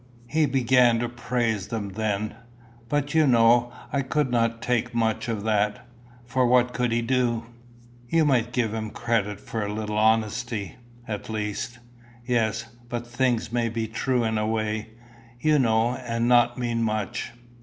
"He began to praise them then. But you know I could not take much of that, for what could he do?" "You might give him credit for a little honesty, at least." "Yes; but things may be true in a way, you know, and not mean much."